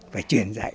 phải truyền dạy